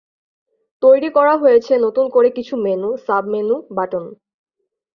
তৈরি করা হয়েছে নতুন করে কিছু মেনু, সাব মেনু বাটন।